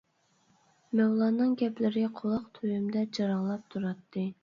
مەۋلاننىڭ گەپلىرى قۇلاق تۈۋىمدە جاراڭلاپ تۇراتتى.